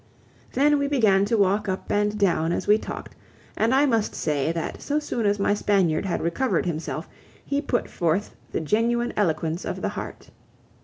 Then we began to walk up and down as we talked, and I must say that so soon as my Spaniard had recovered himself he put forth the genuine eloquence of the heart.